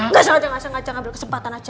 nggak sengaja ngajak ambil kesempatan aja